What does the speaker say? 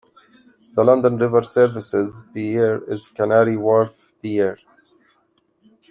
The London River Services pier is Canary Wharf Pier.